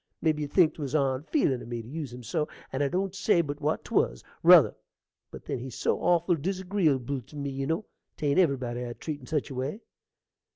Mebby you think 'twas onfeelin' in me to use him so, and I don't say but what 'twas, ruther; but then he's so awful dizagreeable tew me, you know: 'tain't everybody I'd treat in such a way.